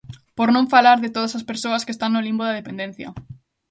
Por non falar de todas as persoas que están no limbo da dependencia.